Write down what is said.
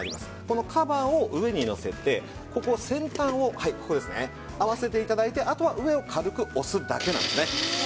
このカバーを上にのせてここ先端をはいここですね合わせて頂いてあとは上を軽く押すだけなんですね。